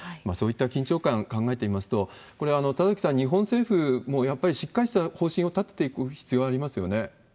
そういった緊張感考えてみますと、これ、田崎さん、日本政府もやっぱりしっかりした方針を立てていく必要ありますよ